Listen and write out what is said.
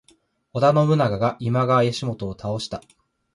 織田信長が今川義元を倒した。